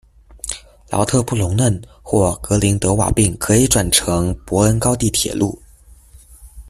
劳特布龙嫩或格林德瓦并可以转乘伯恩高地铁路。